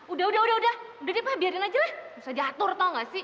udah udah udah deh pak biarin aja lah bisa jatuh tau gak sih